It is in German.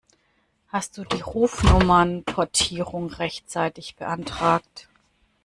Hast du die Rufnummernportierung rechtzeitig beantragt?